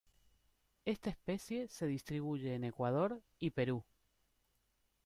Esta especie se distribuye en Ecuador y Perú.